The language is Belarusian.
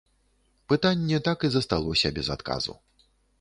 Пытанне так і засталося без адказу.